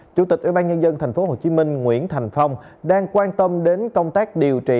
chủ tịch ủy ban nhân dân tp hcm nguyễn thành phong đang quan tâm đến công tác điều trị